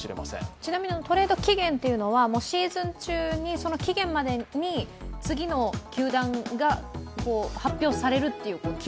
ちなみにトレード期限というのは、シーズン中、その期限までに次の球団が発表されるということですか？